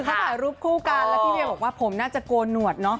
เขาถ่ายรูปคู่กันแล้วพี่เวย์บอกว่าผมน่าจะโกนหนวดเนอะ